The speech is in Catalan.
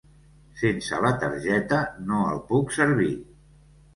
Sense la targeta no el puc servir.